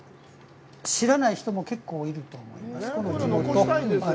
知らない人も結構いると思いますね。